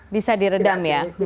bisa diredam ya